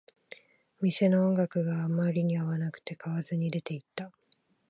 店の音楽があまりに合わなくて、買わずに出ていった